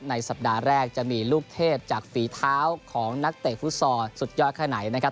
สัปดาห์แรกจะมีลูกเทพจากฝีเท้าของนักเตะฟุตซอลสุดยอดแค่ไหนนะครับ